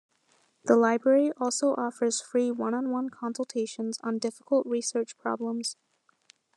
The library also offers free one-on-one consultations on difficult research problems.